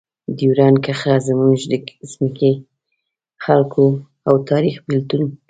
ډیورنډ کرښه زموږ د ځمکې، خلکو او تاریخ بېلتون کوي.